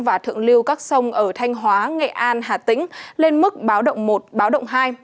và thượng lưu các sông ở thanh hóa nghệ an hà tĩnh lên mức báo động một báo động hai